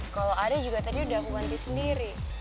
kalau ada juga tadi udah aku ganti sendiri